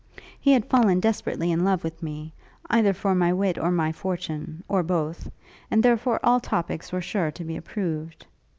He had fallen desperately in love with me, either for my wit or my fortune, or both; and therefore all topics were sure to be approved.